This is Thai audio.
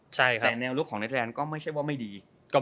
แต่แนวลุกของเน็ตแลนด์ก็ไม่ใช่ว่าไม่ดี